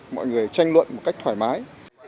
mọi người tranh luận một cách thoải mái